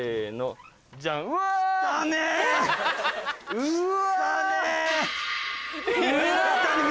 うわ！